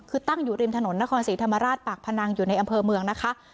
คือตั้งอยู่ริมถนนนครศรีธรรมราชปากพนังอยู่ในอำเภอเมืองนะคะ